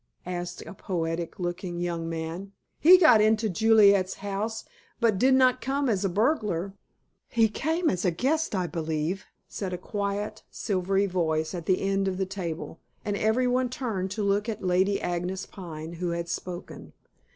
asked a poetic looking young man. "He got into Juliet's house, but did not come as a burglar." "He came as a guest, I believe," said a quiet, silvery voice at the end of the table, and every one turned to look at Lady Agnes Pine, who had spoken.